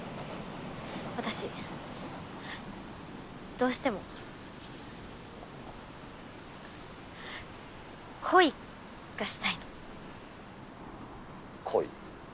私どうしてもこ恋がしたいの恋？